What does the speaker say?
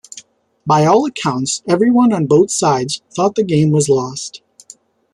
By all accounts, everyone on both sides thought the game was lost.